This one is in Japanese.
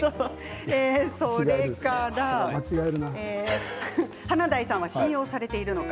それから華大さんは信用されているのか。